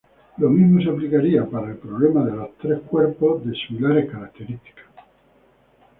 Lo mismo se aplicaría para el problema de los tres cuerpos de similares características.